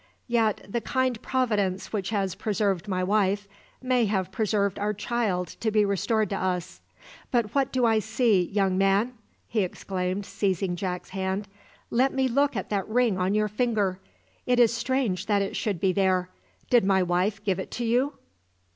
Yet the kind Providence which has preserved my wife, may have preserved our child to be restored to us. But what do I see, young man?" he exclaimed, seizing Jack's hand. "Let me look at that ring on your finger. It is strange that it should be there. Did my wife give it you?"